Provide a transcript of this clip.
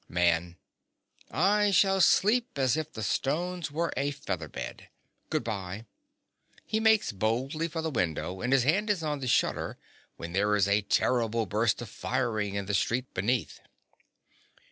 MAN. I shall sleep as if the stones were a feather bed. Good bye. (_He makes boldly for the window, and his hand is on the shutter when there is a terrible burst of firing in the street beneath.